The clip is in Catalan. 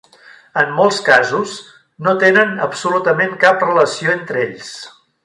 En molts casos, no tenen absolutament cap relació entre ells.